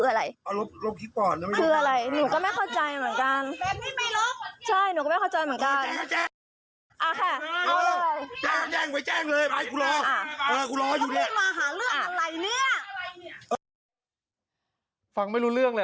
เอายังไงเอาดิอันนี้หนูก็ไม่รู้นะ